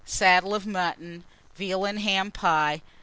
Saddle of Mutton. Veal and Ham Pie.